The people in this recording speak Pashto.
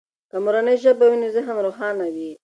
که مورنۍ ژبه وي نو ذهن روښانه وي.